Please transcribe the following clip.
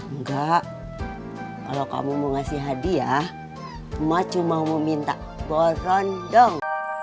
enggak kalau kamu mau ngasih hadiah emak cuma mau minta boron dong